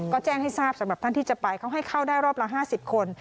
ก็แจ้งให้ทราบสำหรับท่านที่จะไปเขาให้เข้าได้รอบละ๕๐คน